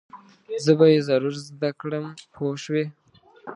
زه به یې ضرور زده کړم پوه شوې!.